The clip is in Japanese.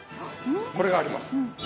これがあります。